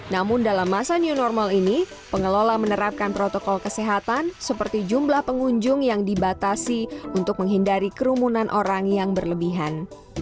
namun dalam masa new normal ini pengelola menerapkan protokol kesehatan seperti jumlah pengunjung yang dibatasi untuk menghindari kerumunan orang yang berlebihan